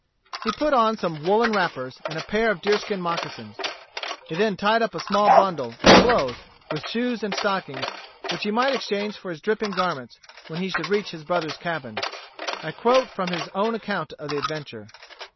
He put on some woollen wrappers and a pair of deerskin moccasins. He then tied up a small bundle; of clothes, with shoes and stockings, which he might exchange for his dripping garments when he should reach his brother's cabin. I quote from his own account of the adventure.